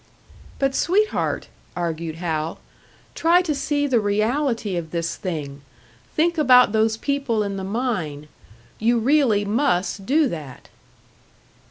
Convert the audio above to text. "But, sweetheart!" argued Hal. "Try to see the reality of this thing think about those people in the mine. You really must do that!"